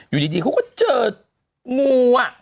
อยู่ดีเขาก็เจองูอ่ะ